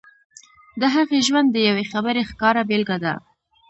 د هغې ژوند د يوې خبرې ښکاره بېلګه ده.